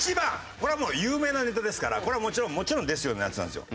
これはもう有名なネタですからこれはもちろんですよ。のやつなんですよ。